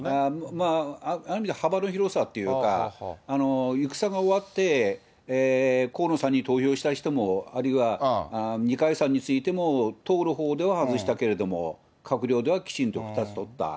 ある意味、幅の広さっていうか、戦が終わって、河野さんに投票した人も、あるいは二階さんについても、党のほうでは外したけど、閣僚ではきちんと２つ取った。